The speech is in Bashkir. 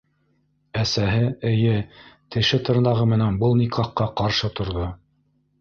Әсәһе, эйе, теше-тырнағы менән был никахҡа ҡаршы торҙо.